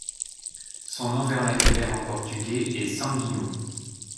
Son nom vernaculaire en portugais est sanguinho.